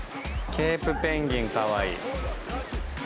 ケープペンギンかわいい。